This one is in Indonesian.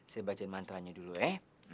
saya baca mantra nya dulu ya